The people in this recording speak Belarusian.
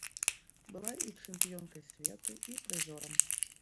Была і чэмпіёнкай свету, і прызёрам.